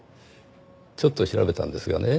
ちょっと調べたんですがね